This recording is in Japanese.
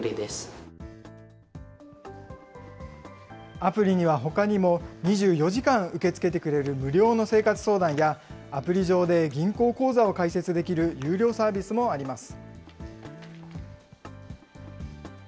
アプリにはほかにも２４時間受け付けてくれる無料の生活相談や、アプリ上で銀行口座を開設できる有料サービスもあります。